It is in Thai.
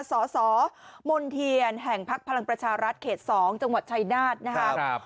สสมณเทียนแห่งพักพลังประชารัฐเขต๒จังหวัดชายนาฏนะครับ